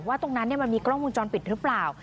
ตรงนั้นมันมีกล้องวงจรปิดหรือเปล่า